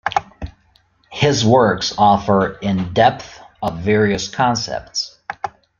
His works offer in-depth of various concepts.